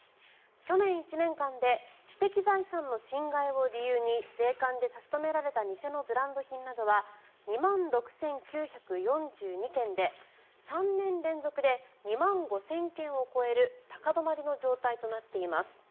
去年１年間で知的財産の侵害を理由に税関で差し止められた偽のブランド品などは２万６９４２件で３年連続で２万５０００件を超える高止まりの状態となっています。